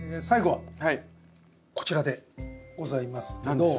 最後はこちらでございますけど。